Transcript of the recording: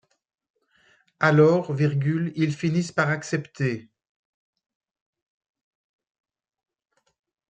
Alors, ils finissent par accepter.